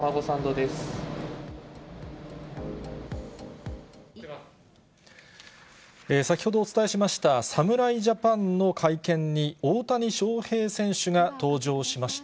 これが盗まれたタマゴサンド先ほどお伝えしました、侍ジャパンの会見に、大谷翔平選手が登場しました。